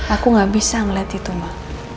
aku gak bisa melihat itu mak